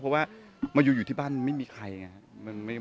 เพราะว่ามาอยู่อยู่ที่บ้านไม่มีใคร